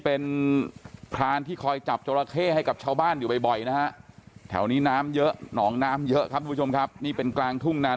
แต่พรานตุ๋ยไห้โหเพราะดูนี่อายุใน๗๒แล้วน่ะ